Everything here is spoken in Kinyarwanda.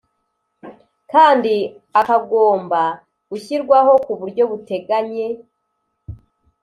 kandi akagomba gushyirwaho ku buryo buteganye